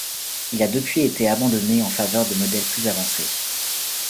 Il a depuis été abandonné en faveur de modèles plus avancés.